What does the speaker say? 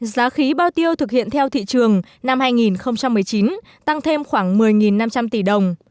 giá khí bao tiêu thực hiện theo thị trường năm hai nghìn một mươi chín tăng thêm khoảng một mươi năm trăm linh tỷ đồng